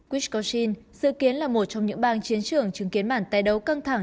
wisconsin dự kiến là một trong những bang chiến trưởng chứng kiến bản tay đấu căng thẳng